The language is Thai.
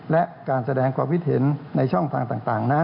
และการแสดงความคิดเห็นในช่องทางต่างนั้น